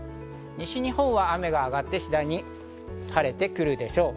西日本は雨が上がって次第に晴れてくるでしょう。